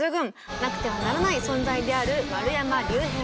なくてはならない存在である丸山隆平さん。